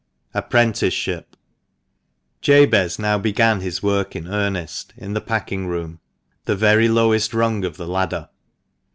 APPRENTICESHIP. TABEZ now began his work in earnest, in the packing room — the very lowest rung of the ladder.